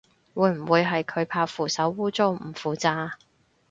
會唔會係佢怕扶手污糟唔扶咋